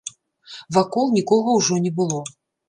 Вакол нікога ўжо не было.